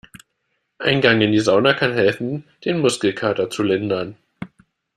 Ein Gang in die Sauna kann helfen, den Muskelkater zu lindern.